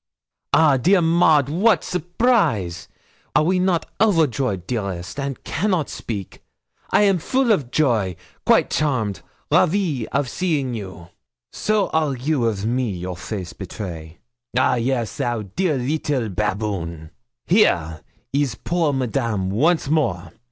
'Ah, dear Maud, what surprise! Are we not overjoy, dearest, and cannot speak? I am full of joy quite charmed ravie of seeing you. So are you of me, your face betray. Ah! yes, thou dear little baboon! here is poor Madame once more!